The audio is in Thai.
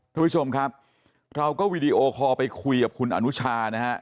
ทุกผู้ชมครับเราก็วีดีโอคอลไปคุยกับคุณอนุชานะฮะ